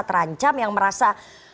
terancam yang merasa